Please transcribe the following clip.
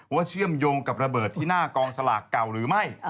เชื่อมโยงกับระเบิดที่หน้ากองสลากเก่าหรือไม่